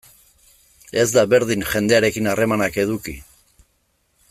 Ez da berdin jendearekin harremanak eduki.